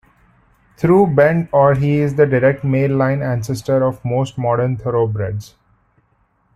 Through Bend Or he is the direct male-line ancestor of most modern thoroughbreds.